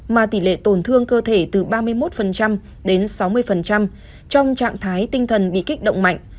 mà tỷ lệ tổn thương cơ thể từ ba mươi một đến sáu mươi trong trạng thái tinh thần bị kích động mạnh